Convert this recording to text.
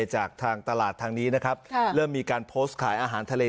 จากทางตลาดทางนี้นะครับเริ่มมีการโพสต์ขายอาหารทะเล